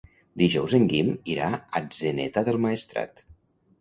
Dijous en Guim irà a Atzeneta del Maestrat.